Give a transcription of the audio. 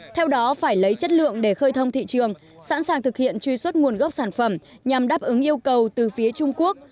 theo đó phải lấy chất lượng để khơi thông thị trường sẵn sàng thực hiện truy xuất nguồn gốc sản phẩm nhằm đáp ứng yêu cầu từ phía trung quốc